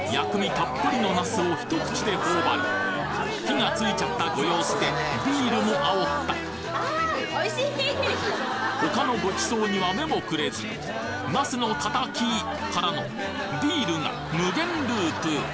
たっぷりのなすをひと口で頬張り火がついちゃったご様子でビールもあおった他のごちそうには目もくれずなすのたたきからのビールが無限ループ